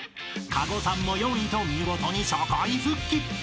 ［加護さんも４位と見事に社会復帰］